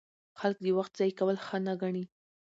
خلک د وخت ضایع کول ښه نه ګڼي.